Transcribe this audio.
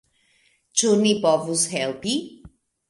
Ĉu ni povus helpi?